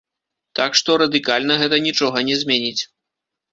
Так што, радыкальна гэта нічога не зменіць.